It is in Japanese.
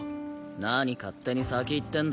何勝手に先行ってんだよ